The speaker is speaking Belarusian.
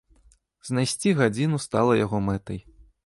Знайсці гадзіну стала яго мэтай.